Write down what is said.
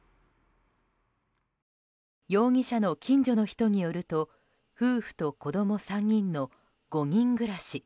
容疑者の近所の人によると夫婦と子供３人の５人暮らし。